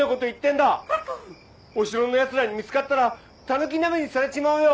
お城のやつらに見つかったらタヌキ鍋にされちまうよ！